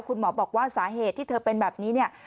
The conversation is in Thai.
คุณหมอบอกว่าสาเหตุที่เธอเป็นแบบนี้เนี่ย